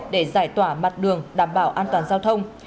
để giải tỏa mặt đường đảm bảo an toàn giao thông